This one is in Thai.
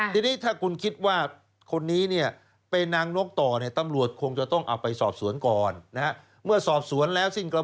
ทีนี้ถ้าคุณคิดว่าคนนี้เนี่ยเป็นนางนกต่อเนี่ยตำรวจคงจะต้องเอาไปสอบสวนก่อนนะครับ